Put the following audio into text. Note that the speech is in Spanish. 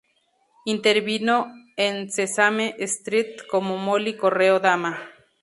Intervino en Sesame Street como Molly Correo Dama.